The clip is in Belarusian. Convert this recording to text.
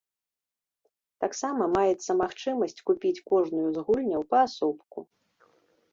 Таксама маецца магчымасць купіць кожную з гульняў паасобку.